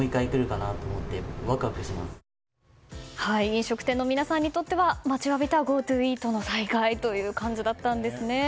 飲食店の皆さんにとっては待ちわびたＧｏＴｏイートの再開という感じだったんですね。